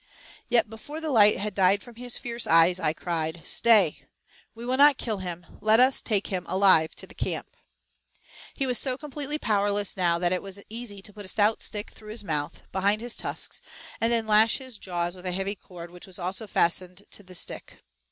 Yet before the light had died from his fierce eyes, I cried, "Stay, we will not kill him; let us take him alive to the camp." He was so completely powerless now that it was easy to put a stout stick through his mouth, behind his tusks, and then lash his jaws with a heavy cord which was also fastened to the stick.